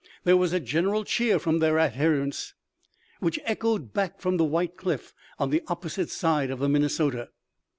There was a general cheer from their adherents, which echoed back from the white cliff on the opposite side of the Minnesota.